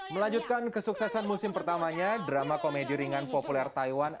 melanjutkan kesuksesan musim pertamanya drama komedi ringan populer taiwan